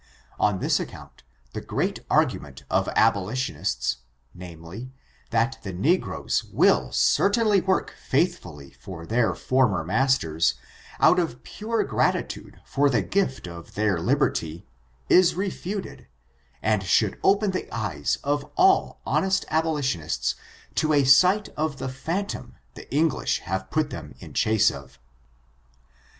On this account the great argument of abo litionists, namely, that the negroes will certainly work faithfully for their former masters, out of pure grat itude for the gift of their liberty, is refuted, and should open the eyes of all honest abolitionists to a sight of the phantom the English have put them in chase of.